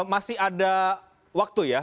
masih ada waktu ya